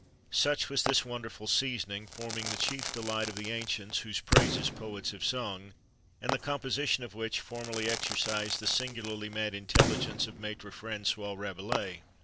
Such was this wonderful seasoning, forming the chief delight of the ancients, whose praises poets have sung, and the composition of which formerly exercised the singularly mad intelligence of Maître François Rabelais.